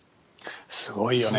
すごいよね。